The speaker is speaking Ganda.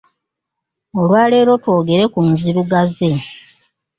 Olwaleero twogere ku nzirugaze.